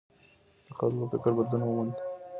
د خلګو فکر بدلون وموند.